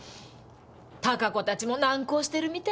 貴子たちも難航してるみたいよ。